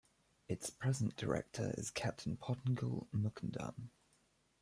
Its present director is Captain Pottengal Mukundan.